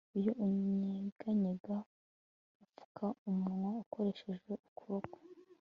Iyo unyeganyega upfuka umunwa ukoresheje ukuboko